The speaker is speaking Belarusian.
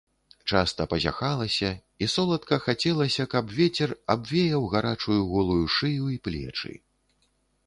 Часта пазяхалася і соладка хацелася, каб вецер абвеяў гарачую голую шыю і плечы.